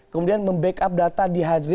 kemudian membackup data di high end